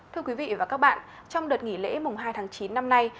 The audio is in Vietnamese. thưa quý vị và các bạn trong đợt nghỉ lễ mùng hai tháng chín năm nay